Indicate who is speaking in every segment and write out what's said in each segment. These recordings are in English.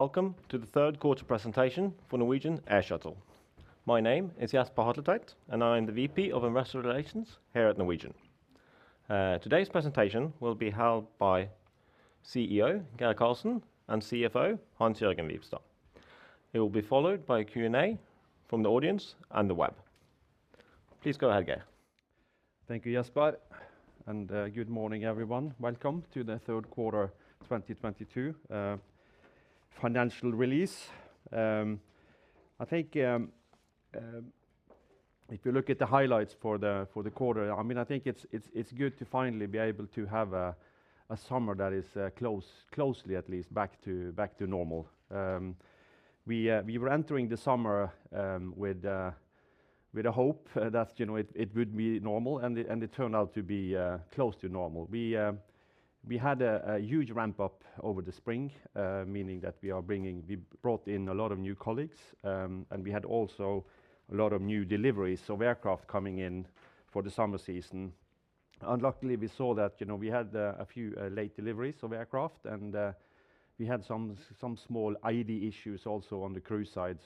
Speaker 1: Welcome to the third quarter presentation for Norwegian Air Shuttle. My name is Jesper Hatletveit, and I am the VP of Investor Relations here at Norwegian. Today's presentation will be held by CEO Geir Karlsen and CFO Hans-Jørgen Wibstad. It will be followed by a Q&A from the audience and the web. Please go ahead, Geir.
Speaker 2: Thank you, Jesper, and good morning, everyone. Welcome to the third quarter 2022 financial release. I think, if you look at the highlights for the quarter, I mean, I think it's good to finally be able to have a summer that is closely at least back to normal. We were entering the summer with a hope that, you know, it would be normal and it turned out to be close to normal. We had a huge ramp up over the spring, meaning that we brought in a lot of new colleagues, and we had also a lot of new deliveries of aircraft coming in for the summer season. Unluckily, we saw that, you know, we had a few late deliveries of aircraft and we had some small ID issues also on the crew side.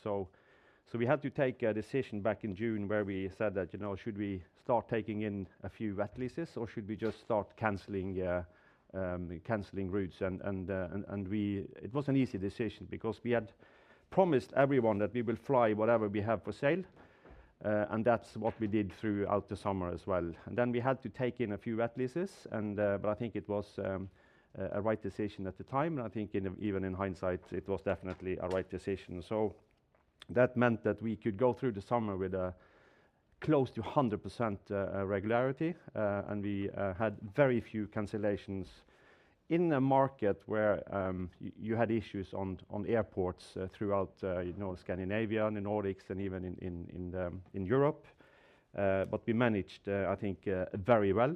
Speaker 2: We had to take a decision back in June where we said that, you know, should we start taking in a few wet leases, or should we just start canceling routes? It was an easy decision because we had promised everyone that we will fly whatever we have for sale, and that's what we did throughout the summer as well. We had to take in a few wet leases, but I think it was a right decision at the time, and I think even in hindsight, it was definitely a right decision. That meant that we could go through the summer with close to 100% regularity. We had very few cancellations in a market where you had issues on airports throughout, you know, Scandinavia and the Nordics and even in Europe. We managed, I think, very well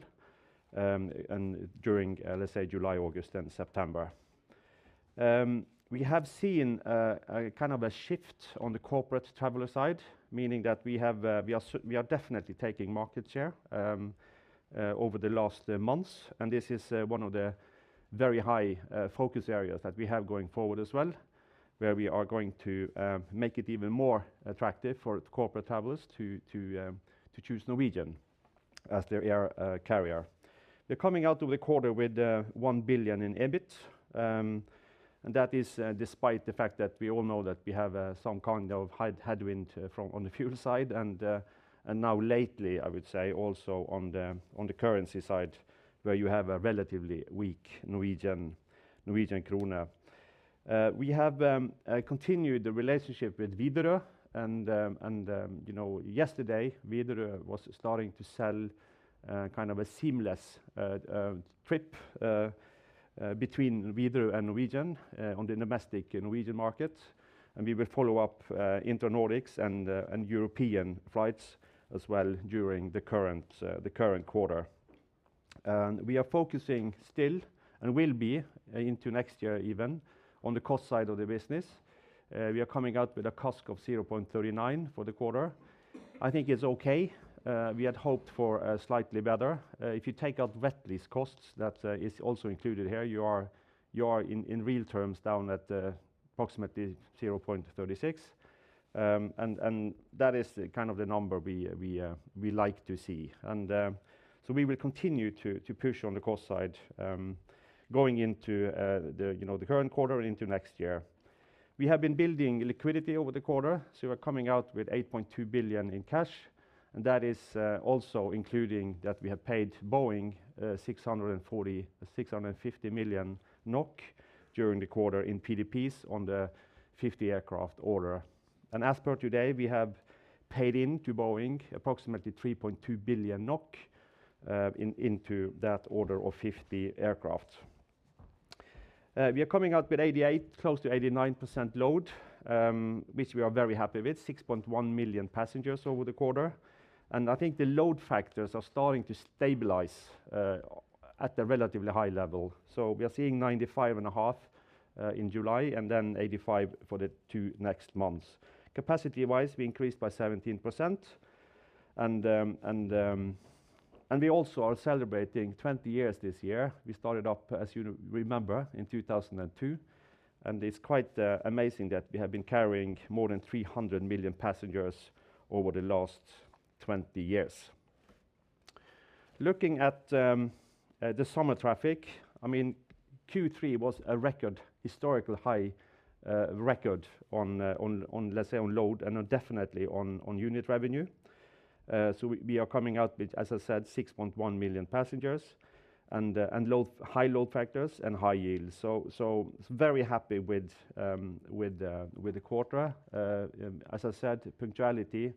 Speaker 2: and during, let's say, July, August and September. We have seen a kind of a shift on the corporate traveler side, meaning that we are definitely taking market share over the last months, and this is one of the very high focus areas that we have going forward as well, where we are going to make it even more attractive for corporate travelers to choose Norwegian as their air carrier. We're coming out of the quarter with 1 billion in EBIT, and that is despite the fact that we all know that we have some kind of headwind from the fuel side and now lately, I would say also on the currency side, where you have a relatively weak Norwegian krone. We have continued the relationship with Widerøe and you know, yesterday, Widerøe was starting to sell kind of a seamless trip between Widerøe and Norwegian on the domestic Norwegian market. We will follow up inter-Nordics and European flights as well during the current quarter. We are focusing still and will be into next year even on the cost side of the business. We are coming out with a CASK of 0.39 for the quarter. I think it's okay. We had hoped for slightly better. If you take out wet lease costs that is also included here, you are in real terms down at approximately 0.36. That is kind of the number we like to see. We will continue to push on the cost side, going into the, you know, the current quarter and into next year. We have been building liquidity over the quarter, so we're coming out with 8.2 billion in cash, and that is also including that we have paid Boeing 650 million NOK during the quarter in PDPs on the 50 aircraft order. As per today, we have paid into Boeing approximately 3.2 billion NOK into that order of 50 aircraft. We are coming out with 88%, close to 89% load, which we are very happy with, 6.1 million passengers over the quarter. I think the load factors are starting to stabilize at a relatively high level. We are seeing 95.5% in July and then 85% for the two next months. Capacity-wise, we increased by 17% and we also are celebrating 20 years this year. We started up, as you remember, in 2002, and it's quite amazing that we have been carrying more than 300 million passengers over the last 20 years. Looking at the summer traffic, I mean, Q3 was a record historical high, record on load and definitely on unit revenue. We are coming out with, as I said, 6.1 million passengers and high load factors and high yields. Very happy with the quarter. As I said, punctuality,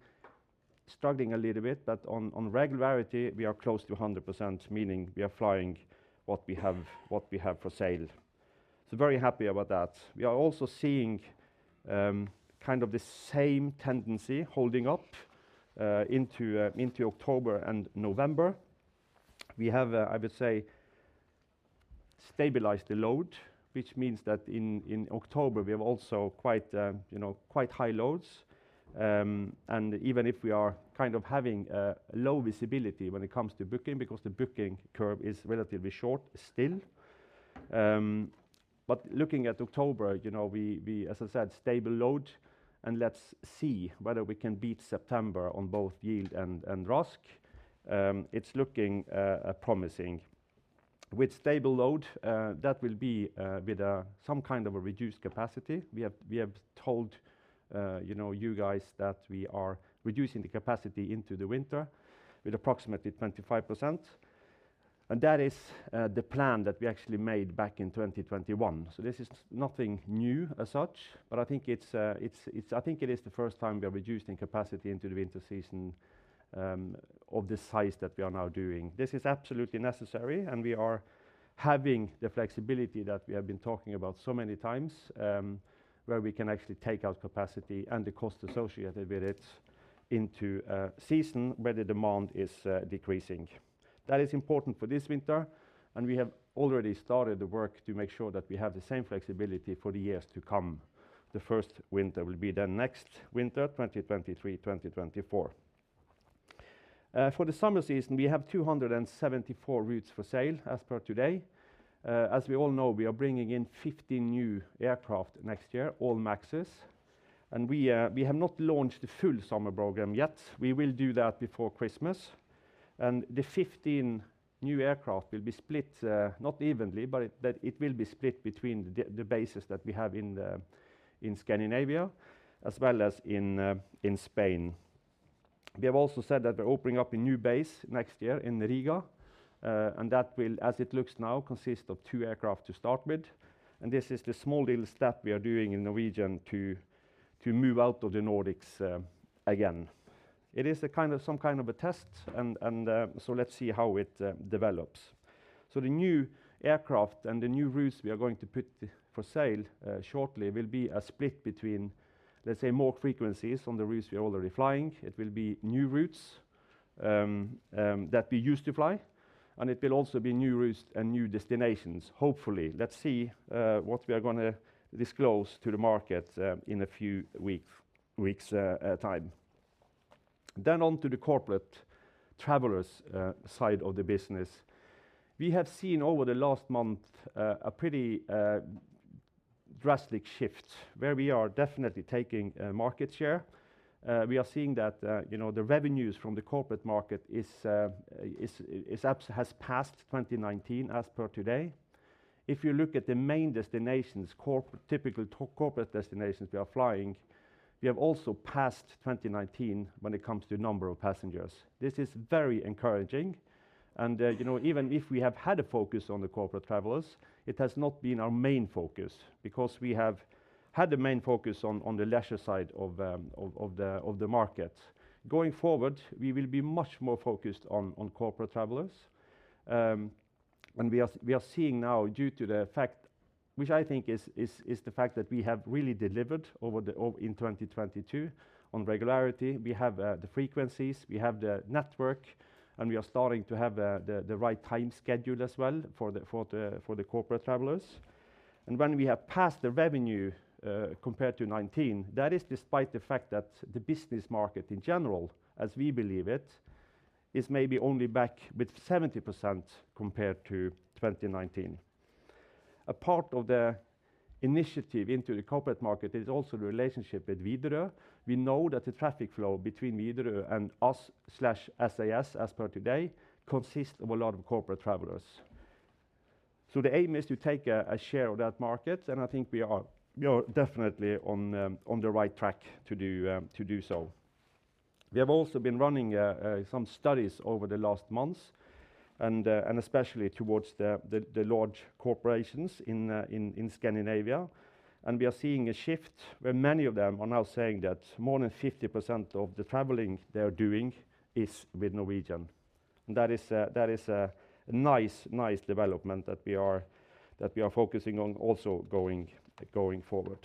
Speaker 2: struggling a little bit, but on regularity, we are close to 100%, meaning we are flying what we have for sale. Very happy about that. We are also seeing kind of the same tendency holding up into October and November. We have, I would say, stabilized the load, which means that in October, we have also quite, you know, quite high loads. Even if we are kind of having low visibility when it comes to booking because the booking curve is relatively short still. Looking at October, you know, we as I said, stable load and let's see whether we can beat September on both yield and RASK. It's looking promising. With stable load, that will be with some kind of a reduced capacity. We have told you know, you guys that we are reducing the capacity into the winter with approximately 25%. That is the plan that we actually made back in 2021. This is nothing new as such, but I think it is the first time we are reducing capacity into the winter season of this size that we are now doing. This is absolutely necessary, and we are having the flexibility that we have been talking about so many times, where we can actually take out capacity and the cost associated with it into a season where the demand is decreasing. That is important for this winter, and we have already started the work to make sure that we have the same flexibility for the years to come. The first winter will be the next winter, 2023, 2024. For the summer season, we have 274 routes for sale as per today. As we all know, we are bringing in 15 new aircraft next year, all MAXes, and we have not launched the full summer program yet. We will do that before Christmas. The 15 new aircraft will be split, not evenly, but it will be split between the bases that we have in Scandinavia as well as in Spain. We have also said that we're opening up a new base next year in Riga, and that will, as it looks now, consist of two aircraft to start with, and this is the small little step we are doing in Norwegian to move out of the Nordics, again. It is a kind of some kind of a test and, so let's see how it develops. The new aircraft and the new routes we are going to put for sale shortly will be a split between, let's say, more frequencies on the routes we are already flying. It will be new routes that we used to fly, and it will also be new routes and new destinations, hopefully. Let's see what we are gonna disclose to the market in a few weeks time. On to the corporate travelers side of the business. We have seen over the last month a pretty drastic shift where we are definitely taking market share. We are seeing that you know the revenues from the corporate market has passed 2019 as per today. If you look at the main destinations typical corporate destinations we are flying, we have also passed 2019 when it comes to number of passengers. This is very encouraging and you know even if we have had a focus on the corporate travelers, it has not been our main focus because we have had the main focus on the leisure side of the market. Going forward, we will be much more focused on corporate travelers, and we are seeing now due to the fact, which I think is the fact that we have really delivered in 2022 on regularity. We have the frequencies, we have the network, and we are starting to have the right time schedule as well for the corporate travelers. When we have passed the revenue compared to 2019, that is despite the fact that the business market in general, as we believe it, is maybe only back with 70% compared to 2019. A part of the initiative into the corporate market is also the relationship with Widerøe. We know that the traffic flow between Widerøe and us/SAS as per today consists of a lot of corporate travelers. The aim is to take a share of that market, and I think we are definitely on the right track to do so. We have also been running some studies over the last months and especially towards the large corporations in Scandinavia, and we are seeing a shift where many of them are now saying that more than 50% of the traveling they're doing is with Norwegian. That is a nice development that we are focusing on also going forward.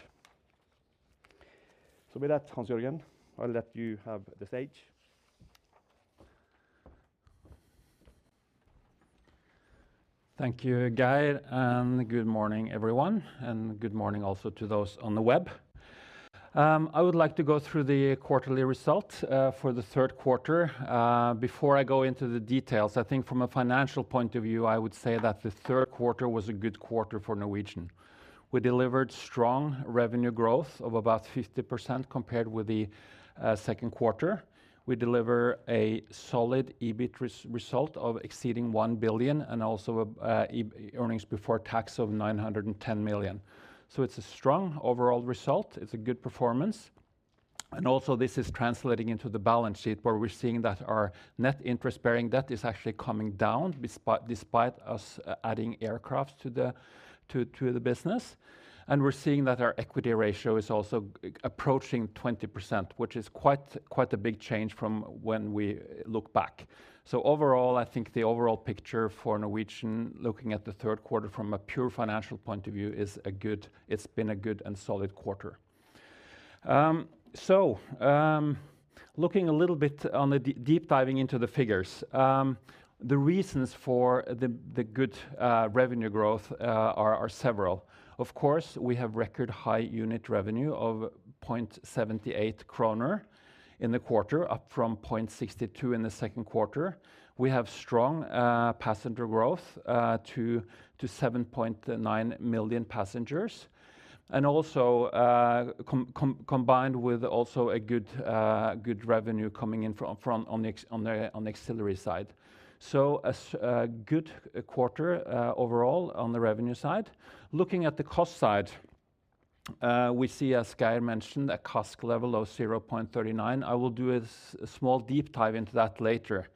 Speaker 2: With that, Hans-Jørgen, I'll let you have the stage.
Speaker 3: Thank you, Geir, and good morning, everyone, and good morning also to those on the web. I would like to go through the quarterly results for the third quarter. Before I go into the details, I think from a financial point of view, I would say that the third quarter was a good quarter for Norwegian. We delivered strong revenue growth of about 50% compared with the second quarter. We deliver a solid EBIT result exceeding 1 billion and also a earnings before tax of 910 million. It's a strong overall result. It's a good performance, and also this is translating into the balance sheet where we're seeing that our net interest-bearing debt is actually coming down despite us adding aircraft to the business. We're seeing that our equity ratio is also approaching 20%, which is quite a big change from when we look back. Overall, I think the overall picture for Norwegian, looking at the third quarter from a pure financial point of view, is good. It's been a good and solid quarter. Looking a little bit on the deep diving into the figures. The reasons for the good revenue growth are several. Of course, we have record high unit revenue of 0.78 kroner in the quarter, up from 0.62 in the second quarter. We have strong passenger growth to 7.9 million passengers, and also combined with also a good good revenue coming in from on the ancillary side. a good quarter overall on the revenue side. Looking at the cost side, we see, as Geir mentioned, a CASK level of 0.39. I will do a small deep dive into that later.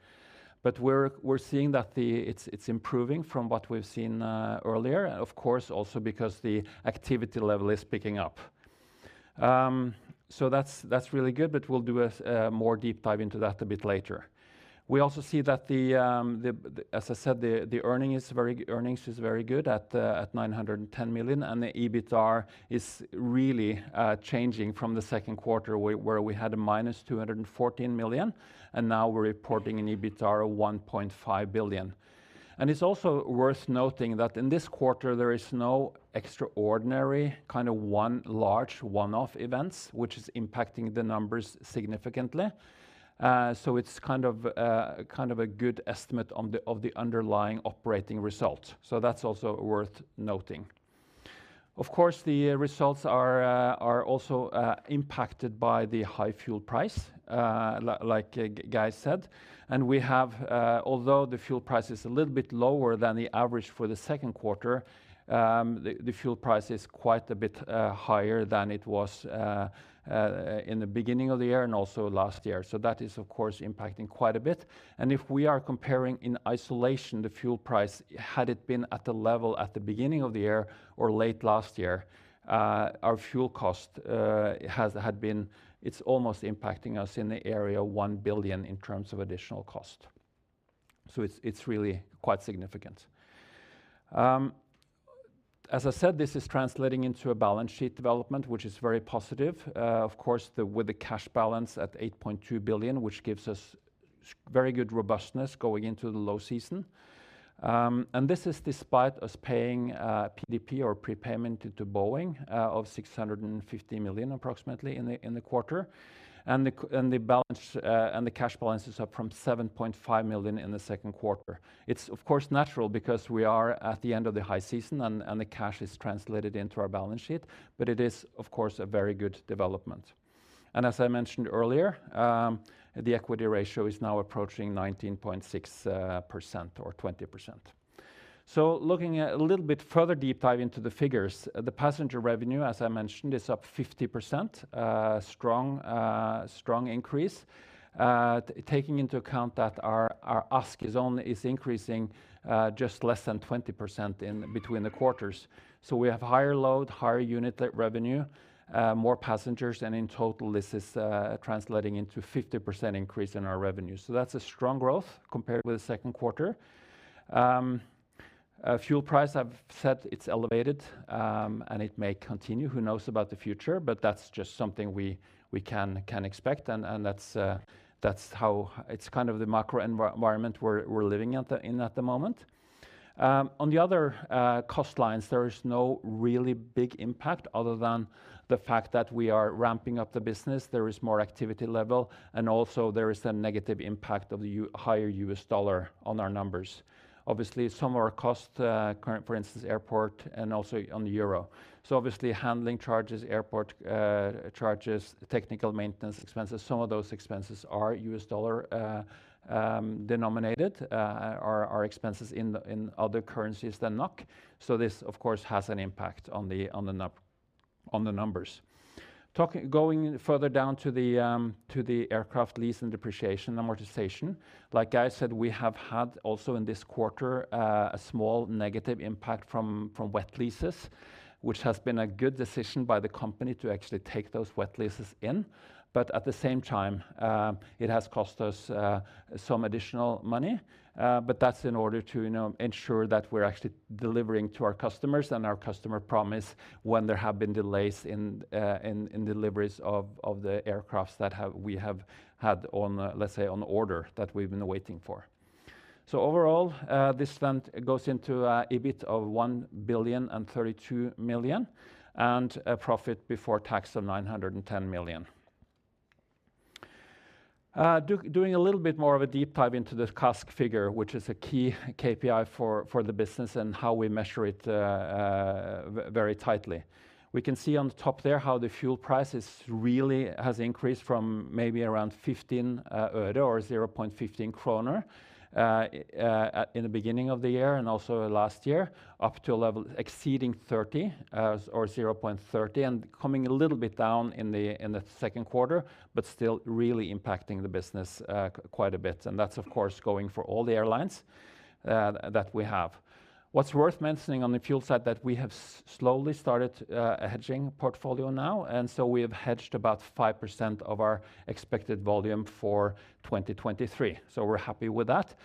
Speaker 3: We're seeing that it's improving from what we've seen earlier, of course, also because the activity level is picking up. That's really good, but we'll do a more deep dive into that a bit later. We also see that the earnings is very good at 910 million, and the EBITDA is really changing from the second quarter where we had -214 million, and now we're reporting an EBITDA of 1.5 billion. It's also worth noting that in this quarter, there is no extraordinary kind of one large one-off events, which is impacting the numbers significantly, so it's kind of a good estimate of the underlying operating result. That's also worth noting. Of course, the results are also impacted by the high fuel price, like Geir said, and we have, although the fuel price is a little bit lower than the average for the second quarter, the fuel price is quite a bit higher than it was in the beginning of the year and also last year. That is, of course, impacting quite a bit. If we are comparing in isolation the fuel price, had it been at the level at the beginning of the year or late last year, our fuel cost had been. It's almost impacting us in the area of 1 billion in terms of additional cost. It's really quite significant. As I said, this is translating into a balance sheet development, which is very positive. Of course, with the cash balance at 8.2 billion, which gives us very good robustness going into the low season. This is despite us paying PDP or prepayment to Boeing of approximately 650 million in the quarter. The cash balance is up from 7.5 million in the second quarter. It's of course natural because we are at the end of the high season and the cash is translated into our balance sheet, but it is of course a very good development. As I mentioned earlier, the equity ratio is now approaching 19.6% or 20%. Looking at a little bit further deep dive into the figures, the passenger revenue, as I mentioned, is up 50%, strong increase, taking into account that our ASK is increasing just less than 20% in between the quarters. We have higher load, higher unit revenue, more passengers, and in total, this is translating into 50% increase in our revenue. That's a strong growth compared with the second quarter. Fuel price, I've said it's elevated, and it may continue. Who knows about the future? That's just something we can expect, and that's how it's kind of the macro environment we're living in at the moment. On the other cost lines, there is no really big impact other than the fact that we are ramping up the business. There is more activity level, and also there is a negative impact of the higher U.S. dollar on our numbers. Obviously, some of our costs, certain, for instance, airport and also on the euro. Obviously handling charges, airport charges, technical maintenance expenses, some of those expenses are U.S. dollar denominated are expenses in other currencies than NOK. This of course has an impact on the numbers. Going further down to the aircraft lease and depreciation amortization, like I said, we have had also in this quarter a small negative impact from wet leases, which has been a good decision by the company to actually take those wet leases in. At the same time, it has cost us some additional money, but that's in order to, you know, ensure that we're actually delivering to our customers and our customer promise when there have been delays in deliveries of the aircraft that we have had on, let's say, on order that we've been waiting for. Overall, this then goes into EBIT of 1,032 million and a profit before tax of 910 million. Doing a little bit more of a deep dive into the CASK figure, which is a key KPI for the business and how we measure it very tightly. We can see on the top there how the fuel price is really has increased from maybe around 15 or 0.15 kroner in the beginning of the year and also last year, up to a level exceeding 30 or 0.30, and coming a little bit down in the second quarter, but still really impacting the business quite a bit. That's of course going for all the airlines that we have. What's worth mentioning on the fuel side that we have slowly started a hedging portfolio now, and so we have hedged about 5% of our expected volume for 2023. We're happy with that.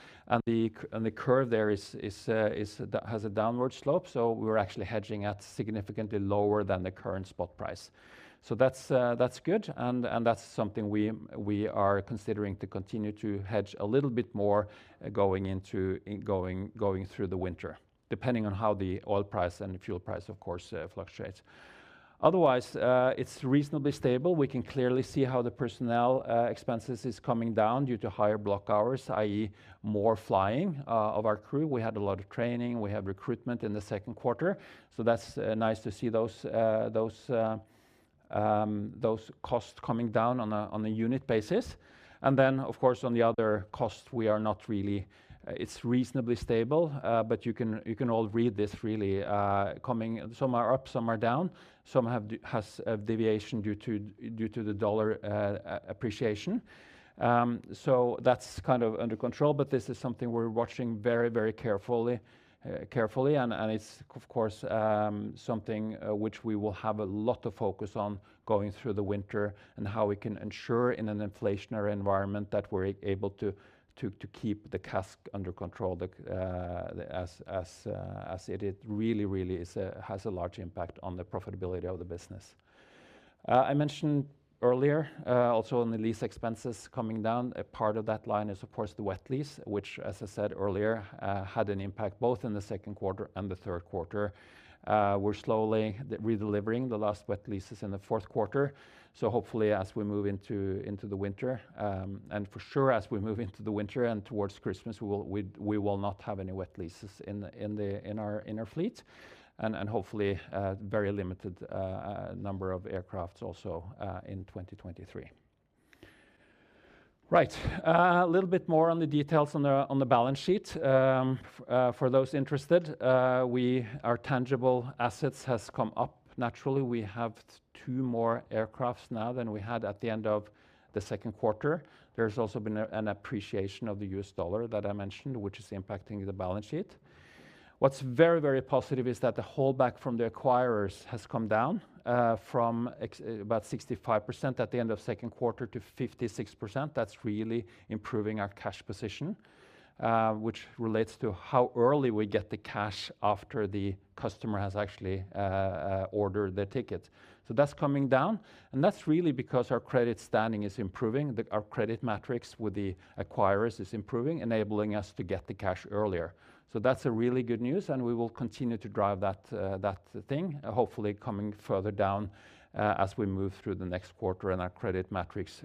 Speaker 3: The curve there has a downward slope, so we're actually hedging at significantly lower than the current spot price. That's good, and that's something we are considering to continue to hedge a little bit more going through the winter, depending on how the oil price and the fuel price of course fluctuates. Otherwise, it's reasonably stable. We can clearly see how the personnel expenses is coming down due to higher block hours, i.e., more flying of our crew. We had a lot of training, we have recruitment in the second quarter, so that's nice to see those costs coming down on a unit basis. Then, of course, on the other costs, we are not really. It's reasonably stable, but you can all read this really. Some are up, some are down, some have a deviation due to the dollar appreciation. So that's kind of under control, but this is something we're watching very carefully and it's of course something which we will have a lot of focus on going through the winter and how we can ensure in an inflationary environment that we're able to keep the CASK under control, as it really has a large impact on the profitability of the business. I mentioned earlier, also on the lease expenses coming down, a part of that line is of course the wet lease, which as I said earlier, had an impact both in the second quarter and the third quarter. We're slowly redelivering the last wet leases in the fourth quarter, so hopefully as we move into the winter, and for sure as we move into the winter and towards Christmas, we will not have any wet leases in our fleet and hopefully a very limited number of aircraft also in 2023. Right. A little bit more on the details on the balance sheet for those interested. Our tangible assets has come up naturally. We have two more aircraft now than we had at the end of the second quarter. There's also been an appreciation of the U.S. dollar that I mentioned, which is impacting the balance sheet. What's very, very positive is that the holdback from the acquirers has come down from about 65% at the end of second quarter to 56%. That's really improving our cash position, which relates to how early we get the cash after the customer has actually ordered their ticket. That's coming down, and that's really because our credit standing is improving. Our credit metrics with the acquirers is improving, enabling us to get the cash earlier. That's a really good news, and we will continue to drive that thing, hopefully coming further down as we move through the next quarter and our credit metrics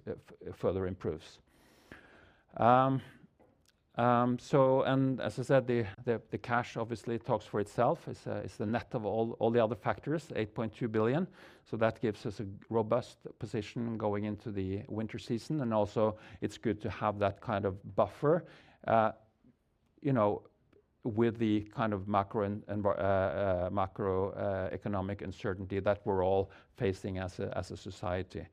Speaker 3: further improves. As I said, the cash obviously talks for itself. It's the net of all the other factors, 8.2 billion, so that gives us a robust position going into the winter season. Also it's good to have that kind of buffer, you know, with the kind of macro and macroeconomic uncertainty that we're all facing as a society.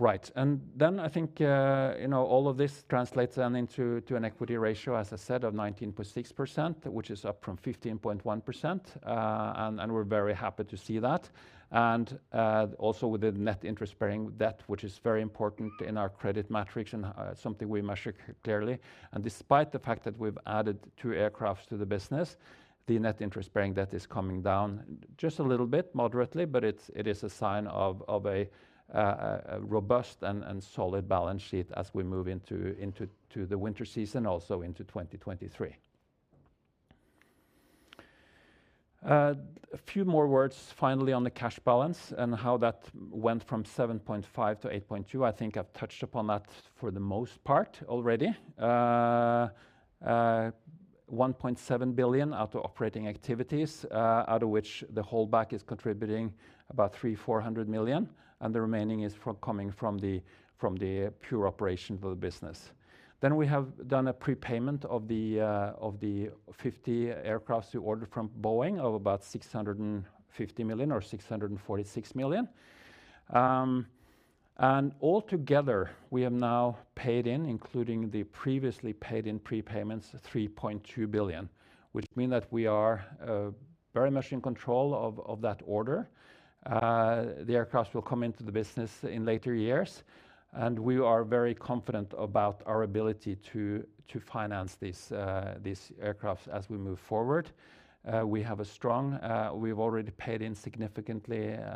Speaker 3: Right. I think, you know, all of this translates into an equity ratio, as I said, of 19.6%, which is up from 15.1%, and we're very happy to see that. Also with the net interest-bearing debt, which is very important in our credit metrics and something we measure clearly, and despite the fact that we've added two aircraft to the business, the net interest-bearing debt is coming down just a little bit, moderately, but it is a sign of a robust and solid balance sheet as we move into the winter season, also into 2023. A few more words finally on the cash balance and how that went from 7.5 to 8.2. I think I've touched upon that for the most part already. 1.7 billion out of operating activities, out of which the holdback is contributing about 300 million-400 million, and the remaining is from the pure operation of the business. We have done a prepayment of the 50 aircraft we ordered from Boeing of about 650 million or 646 million. All together, we have now paid in, including the previously paid in prepayments, 3.2 billion, which means that we are very much in control of that order. The aircraft will come into the business in later years, and we are very confident about our ability to finance these aircraft as we move forward. We have a strong. We've already paid in a significant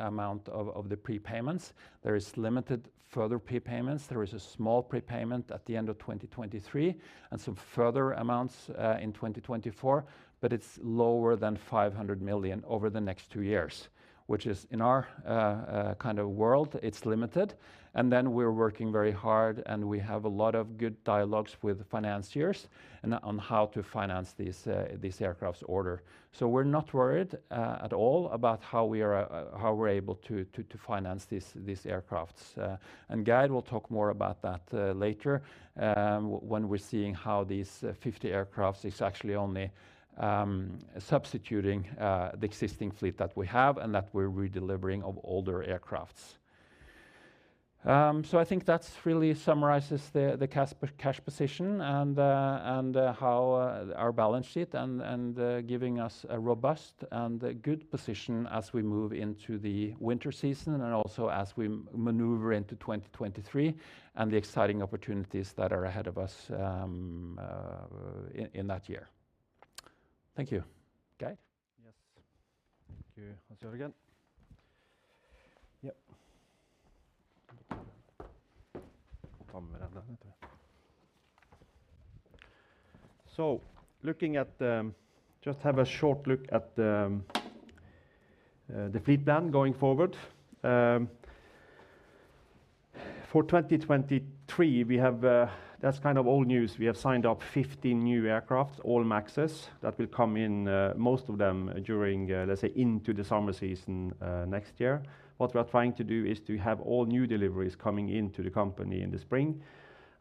Speaker 3: amount of the prepayments. There is limited further prepayments. There is a small prepayment at the end of 2023 and some further amounts in 2024, but it's lower than 500 million over the next two years, which is in our kind of world, it's limited. We're working very hard, and we have a lot of good dialogues with financiers on how to finance these aircraft order. We're not worried at all about how we're able to finance these aircraft. Geir Karlsen will talk more about that later, when we're seeing how these 50 aircraft is actually only substituting the existing fleet that we have and that we're redelivering of older aircraft. I think that's really summarizes the cash position and how our balance sheet and giving us a robust and a good position as we move into the winter season and also as we maneuver into 2023 and the exciting opportunities that are ahead of us in that year. Thank you. Geir?
Speaker 2: Yes. Thank you. Let's do it again. Yep. Looking at, just have a short look at, the fleet plan going forward. For 2023, we have, that's kind of old news. We have signed up 15 new aircrafts, all MAXes that will come in, most of them during, let's say, into the summer season, next year. What we are trying to do is to have all new deliveries coming into the company in the spring,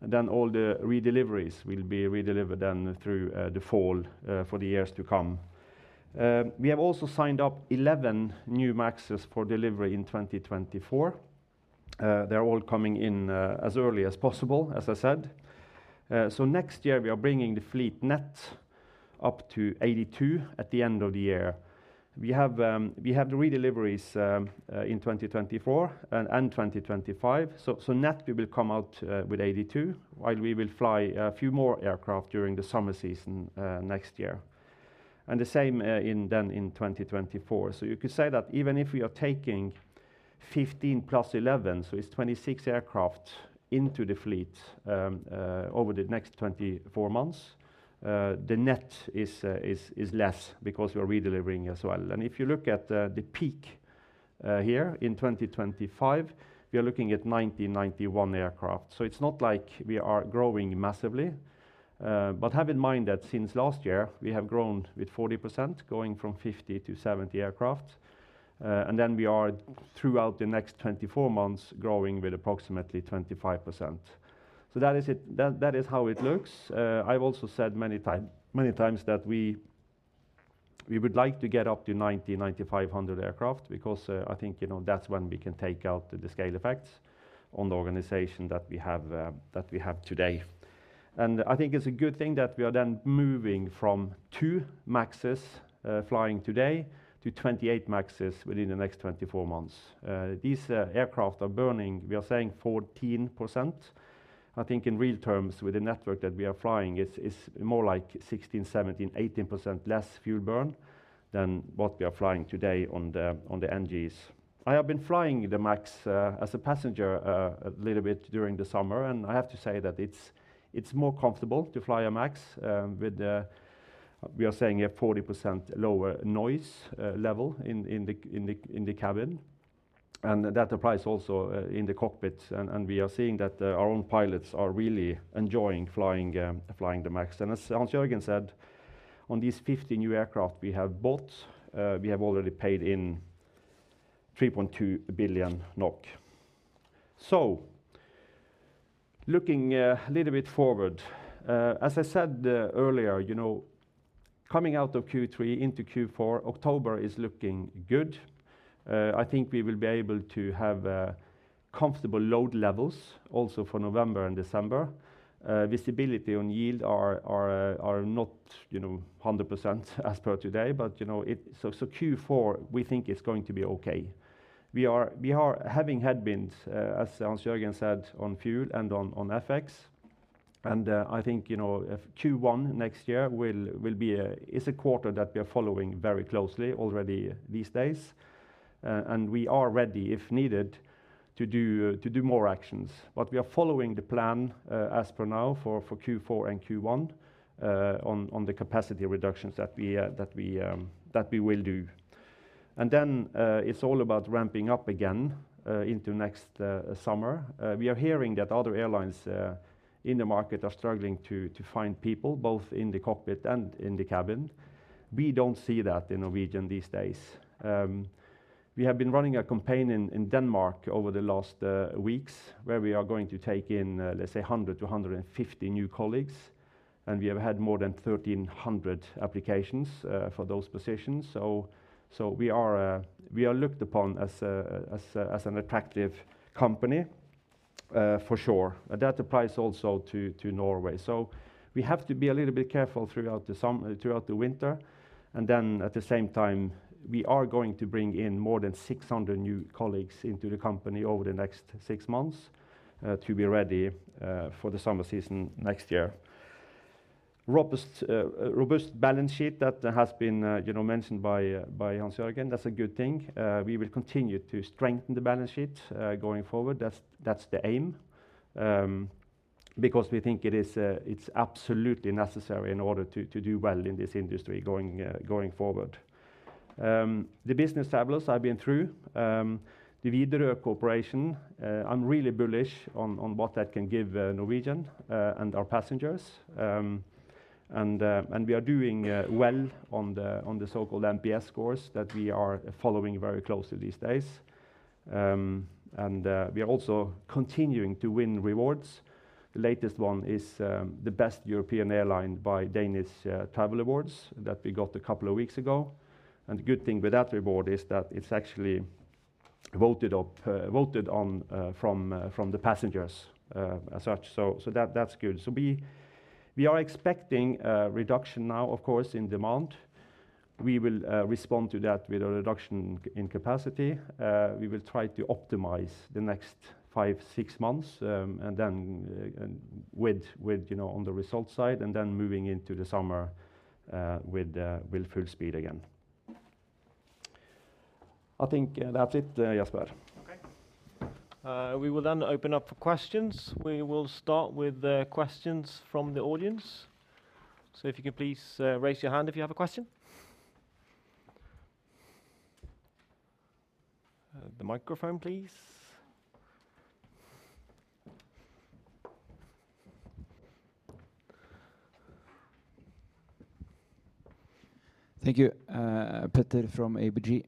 Speaker 2: and then all the redeliveries will be redelivered then through the fall, for the years to come. We have also signed up 11 new MAXes for delivery in 2024. They're all coming in, as early as possible, as I said. Next year we are bringing the fleet net up to 82 at the end of the year. We have the redeliveries in 2024 and 2025. Net we will come out with 82, while we will fly a few more aircraft during the summer season next year, and the same in 2024. You could say that even if we are taking 15 plus 11, it's 26 aircraft into the fleet over the next 24 months, the net is less because we are redelivering as well. If you look at the peak here in 2025, we are looking at 90-91 aircraft. It's not like we are growing massively, but have in mind that since last year we have grown with 40%, going from 50 to 70 aircraft. Then we are throughout the next 24 months growing with approximately 25%. That is it. That is how it looks. I've also said many times that we would like to get up to 90,000-95,000 aircraft because I think, you know, that's when we can take out the scale effects on the organization that we have today. I think it's a good thing that we are then moving from two MAXes flying today to 28 MAXes within the next 24 months. These aircraft are burning, we are saying 14%. I think in real terms, with the network that we are flying is more like 16%, 17%, 18% less fuel burn than what we are flying today on the NGs. I have been flying the MAX as a passenger a little bit during the summer, and I have to say that it's more comfortable to fly a MAX with the we are saying a 40% lower noise level in the cabin, and that applies also in the cockpit. We are seeing that our own pilots are really enjoying flying the MAX. As Hans-Jørgen said, on these 50 new aircraft we have bought, we have already paid in 3.2 billion NOK. Looking a little bit forward, as I said earlier, you know, coming out of Q3 into Q4, October is looking good. I think we will be able to have comfortable load levels also for November and December. Visibility on yield are not 100% as per today, but you know it. Q4 we think is going to be okay. We are having headwinds, as Hans-Jørgen said, on fuel and on FX. I think, you know, if Q1 next year is a quarter that we are following very closely already these days, and we are ready if needed to do more actions. We are following the plan, as per now for Q4 and Q1, on the capacity reductions that we will do. It's all about ramping up again into next summer. We are hearing that other airlines in the market are struggling to find people both in the cockpit and in the cabin. We don't see that in Norwegian these days. We have been running a campaign in Denmark over the last weeks where we are going to take in, let's say 100 to 150 new colleagues, and we have had more than 1,300 applications for those positions. We are looked upon as an attractive company for sure. That applies also to Norway. We have to be a little bit careful throughout the winter, and then at the same time we are going to bring in more than 600 new colleagues into the company over the next six months to be ready for the summer season next year. Robust balance sheet that has been, you know, mentioned by Hans-Jørgen, that's a good thing. We will continue to strengthen the balance sheet going forward. That's the aim, because we think it is absolutely necessary in order to do well in this industry going forward. The business travels I've been through, the Widerøe cooperation, I'm really bullish on what that can give Norwegian and our passengers. We are doing well on the so-called NPS scores that we are following very closely these days. We are also continuing to win rewards. The latest one is the Best European Airline, Danish Travel Awards that we got a couple of weeks ago. The good thing with that reward is that it's actually voted on by the passengers as such. That's good. We are expecting a reduction now of course in demand. We will respond to that with a reduction in capacity. We will try to optimize the next five to six months, and then with you know, on the results side and then moving into the summer, with full speed again. I think that's it, Jesper.
Speaker 1: Okay. We will then open up for questions. We will start with the questions from the audience. If you could please raise your hand if you have a question. The microphone, please.
Speaker 4: Thank you. Peter from ABG.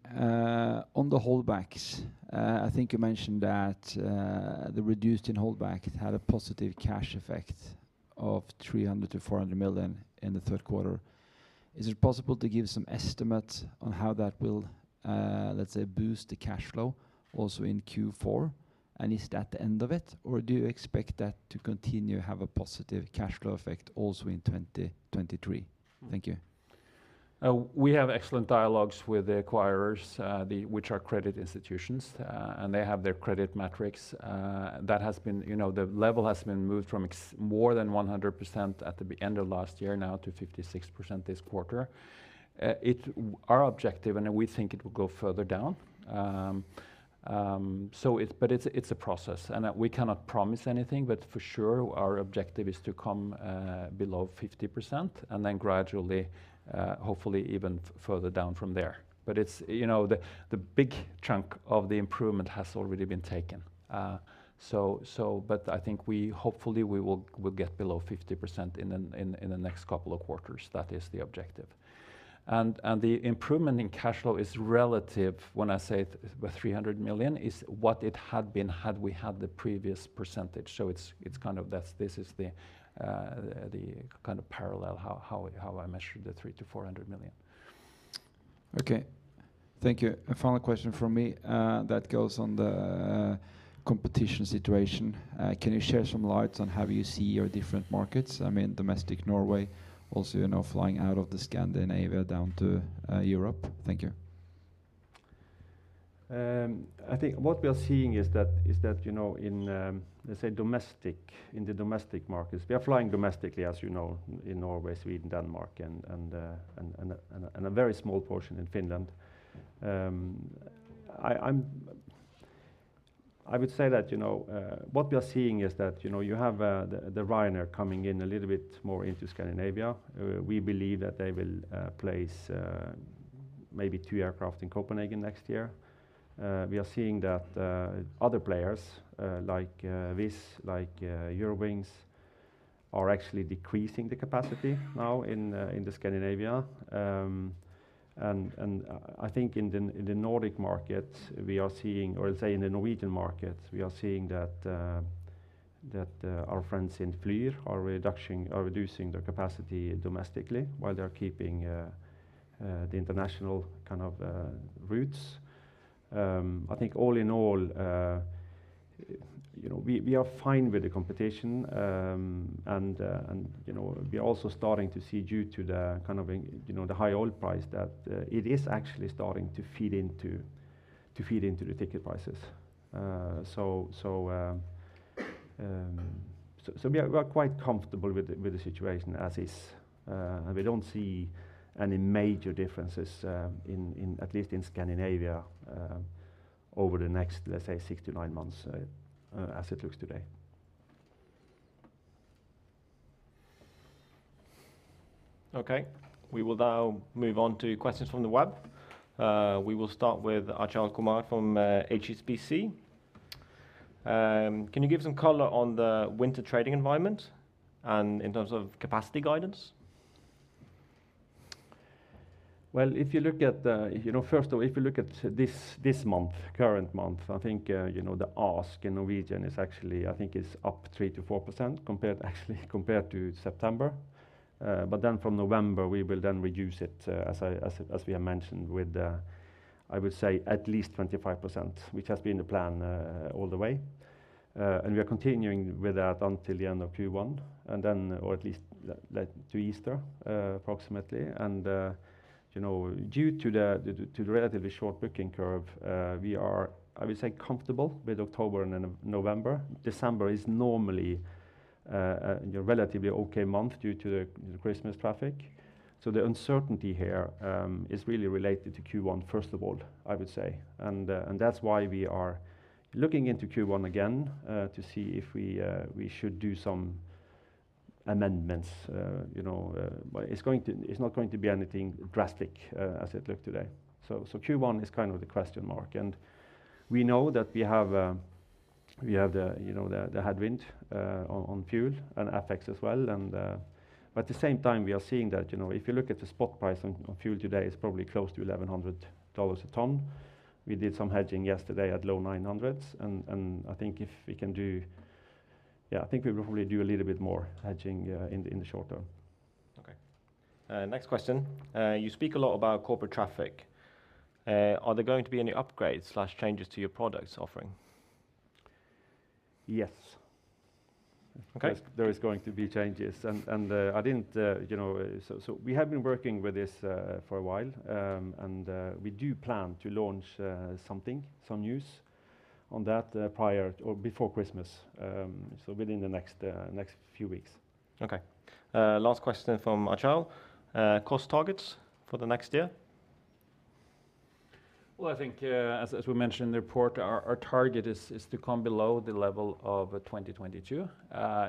Speaker 4: On the holdbacks, I think you mentioned that the reduction in holdback had a positive cash effect of 300 million-400 million in the third quarter. Is it possible to give some estimate on how that will, let's say, boost the cash flow also in Q4? And is that the end of it, or do you expect that to continue to have a positive cash flow effect also in 2023? Thank you.
Speaker 3: We have excellent dialogues with the acquirers, which are credit institutions, and they have their credit metrics. That has been, you know, the level has been moved from more than 100% at the end of last year now to 56% this quarter. Our objective, and we think it will go further down. It's a process, and we cannot promise anything, but for sure our objective is to come below 50% and then gradually, hopefully even further down from there. It's, you know, the big chunk of the improvement has already been taken. But I think we hopefully we will get below 50% in the next couple of quarters. That is the objective. The improvement in cash flow is relative. When I say 300 million, is what it had been had we had the previous percentage. It's kind of that's this is the kind of parallel how I measured 300 million-400 million.
Speaker 4: Okay. Thank you. A final question from me, that goes on the competition situation. Can you shed some light on how you see your different markets? I mean, domestic Norway also, you know, flying out of Scandinavia down to Europe. Thank you.
Speaker 2: I think what we are seeing is that, you know, in, let's say domestic, in the domestic markets, we are flying domestically, as you know, in Norway, Sweden, Denmark and a very small portion in Finland. I would say that, you know, what we are seeing is that, you know, you have the Ryanair coming in a little bit more into Scandinavia. We believe that they will place maybe two aircraft in Copenhagen next year. We are seeing that other players, like Wizz, like Eurowings, are actually decreasing the capacity now in the Scandinavia. I think in the Nordic market, we are seeing, or let's say in the Norwegian market, we are seeing that our friends in Flyr are reducing their capacity domestically while they are keeping the international kind of routes. I think all in all, you know, we are fine with the competition. You know, we are also starting to see due to the kind of, you know, the high oil price that it is actually starting to feed into the ticket prices. We are quite comfortable with the situation as is. We don't see any major differences at least in Scandinavia over the next, let's say, six to nine months as it looks today.
Speaker 1: Okay. We will now move on to questions from the web. We will start with Achal Kumar from HSBC. Can you give some color on the winter trading environment and in terms of capacity guidance?
Speaker 2: Well, if you look at, you know, first of all, if you look at this month, current month, I think, you know, the ASK in Norwegian is actually, I think is up 3%-4% compared, actually compared to September. But then from November, we will then reduce it, as I, as we have mentioned, with, I would say at least 25%, which has been the plan, all the way. And we are continuing with that until the end of Q1, and then or at least led to Easter, approximately. You know, due to the relatively short booking curve, we are, I would say, comfortable with October and November. December is normally, you know, relatively okay month due to the Christmas traffic. The uncertainty here is really related to Q1, first of all, I would say. That's why we are looking into Q1 again to see if we should do some amendments, you know. It's not going to be anything drastic, as it look today. Q1 is kind of the question mark. We know that we have the headwind on fuel and FX as well. At the same time, we are seeing that if you look at the spot price on fuel today, it's probably close to NOK 1,100 a ton. We did some hedging yesterday at low 900s and I think if we can do. Yeah, I think we'll probably do a little bit more hedging in the short term.
Speaker 1: Okay. Next question. You speak a lot about corporate traffic. Are there going to be any upgrades or changes to your products offering?
Speaker 2: Yes.
Speaker 1: Okay.
Speaker 2: There is going to be changes. We have been working with this for a while. We do plan to launch some news on that prior or before Christmas, so within the next few weeks.
Speaker 1: Okay. Last question from Achal. Cost targets for the next year?
Speaker 3: Well, I think, as we mentioned in the report, our target is to come below the level of 2022.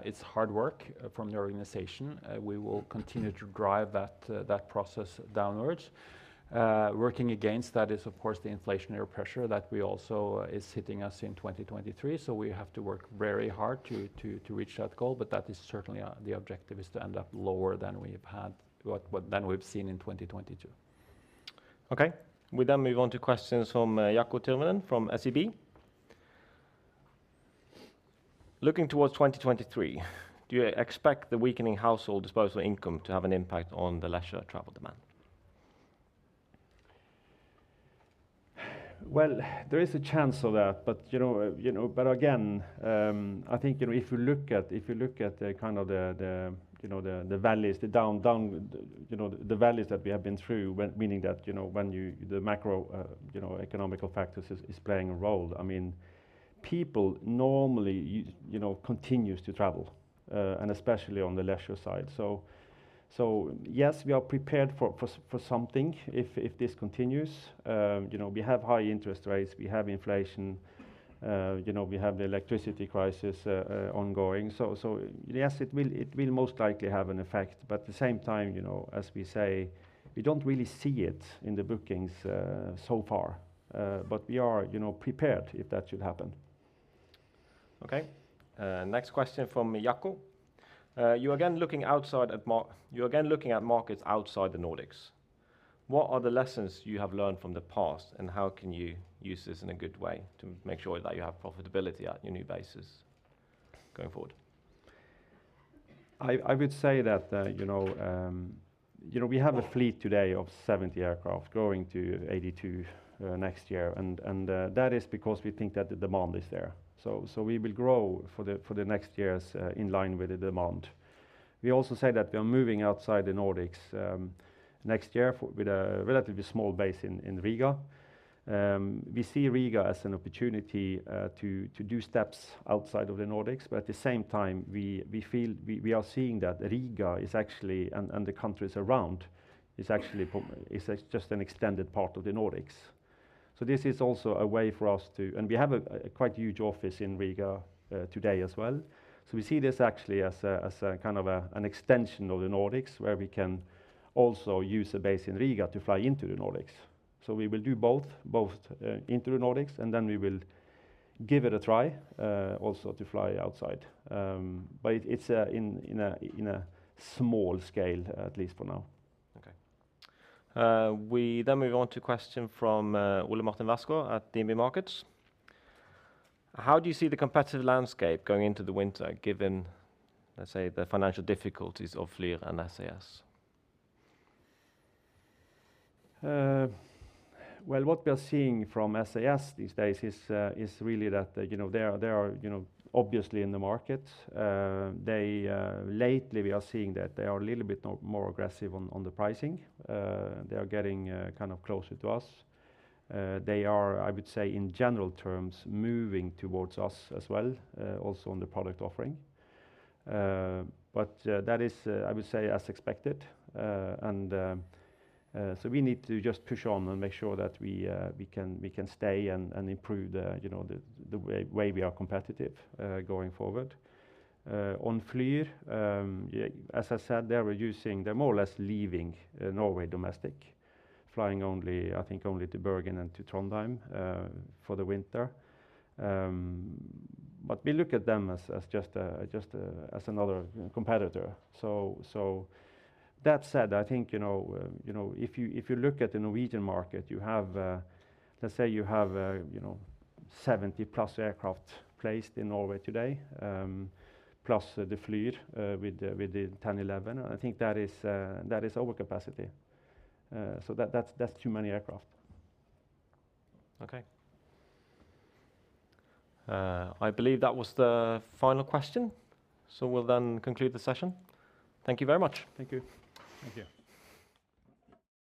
Speaker 3: It's hard work from the organization. We will continue to drive that process downwards. Working against that is of course the inflationary pressure that is also hitting us in 2023, so we have to work very hard to reach that goal, but that is certainly the objective to end up lower than we've seen in 2022.
Speaker 1: Okay. We move on to questions from Jaakko Turunen from SEB. Looking towards 2023, do you expect the weakening household disposable income to have an impact on the leisure travel demand?
Speaker 2: Well, there is a chance of that, but you know, but again, I think you know, if you look at the kind of valleys that we have been through, meaning that you know, the macro economic factors is playing a role. I mean, people normally you know continues to travel and especially on the leisure side. Yes, we are prepared for something if this continues. You know, we have high interest rates, we have inflation, you know, we have the electricity crisis ongoing. Yes, it will most likely have an effect but at the same time, you know, as we say, we don't really see it in the bookings so far. But we are, you know, prepared if that should happen.
Speaker 1: Okay, next question from Jaakko. You are again looking at markets outside the Nordics. What are the lessons you have learned from the past, and how can you use this in a good way to make sure that you have profitability at your new bases going forward?
Speaker 2: I would say that, you know, we have a fleet today of 70 aircraft growing to 82 next year, and that is because we think that the demand is there. We will grow for the next years in line with the demand. We also said that we are moving outside the Nordics next year with a relatively small base in Riga. We see Riga as an opportunity to do steps outside of the Nordics, but at the same time, we feel we are seeing that Riga is actually, and the countries around, is just an extended part of the Nordics. This is also a way for us to. We have a quite huge office in Riga today as well. We see this actually as a kind of an extension of the Nordics where we can also use a base in Riga to fly into the Nordics. We will do both into the Nordics and then we will give it a try also to fly outside. It's in a small scale, at least for now.
Speaker 1: Okay. We move on to a question from Ole-Martin Westgaard at DNB Markets. How do you see the competitive landscape going into the winter given, let's say, the financial difficulties of Flyr and SAS?
Speaker 2: Well, what we are seeing from SAS these days is really that, you know, they are, you know, obviously in the market. Lately we are seeing that they are a little bit more aggressive on the pricing. They are getting kind of closer to us. They are, I would say, in general terms, moving towards us as well, also on the product offering. That is, I would say, as expected. We need to just push on and make sure that we can stay and improve the, you know, the way we are competitive going forward. On Flyr, yeah, as I said, they are reducing. They're more or less leaving Norway domestic, flying only, I think only to Bergen and to Trondheim for the winter. We look at them as just another competitor. That said, I think, you know, if you look at the Norwegian market, you have, let's say you have, you know, 70+ aircraft placed in Norway today, plus the Flyr with the 10-11. I think that is overcapacity. That's too many aircraft.
Speaker 1: Okay. I believe that was the final question, so we'll then conclude the session. Thank you very much.
Speaker 2: Thank you.
Speaker 3: Thank you.